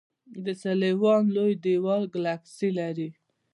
د سلوان لوی دیوال ګلکسي لري.